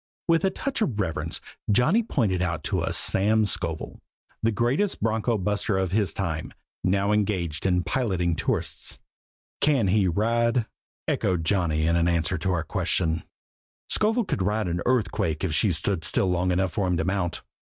With a touch of reverence Johnny pointed out to us Sam Scovel, the greatest bronco buster of his time, now engaged in piloting tourists. "Can he ride?" echoed Johnny in answer to our question. "Scovel could ride an earthquake if she stood still long enough for him to mount!